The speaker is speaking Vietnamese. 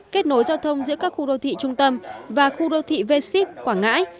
kết nối giao thông giữa các khu đô thị trung tâm và khu đô thị v ship quảng ngãi